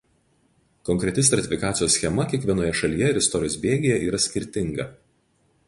Konkreti stratifikacijos schema kiekvienoje šalyje ar istorijos bėgyje yra skirtinga.